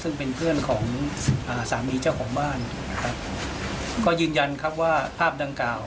ซึ่งเป็นเพื่อนของสามีเจ้าของบ้านก็ยืนยันว่าภาพดังกล่าว